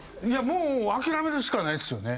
もう諦めるしかないですよね。